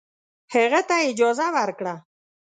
هغه ته یې اجازه ورکړه.